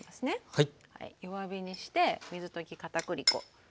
はい。